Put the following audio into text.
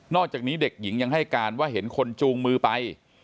อกจากนี้เด็กหญิงยังให้การว่าเห็นคนจูงมือไป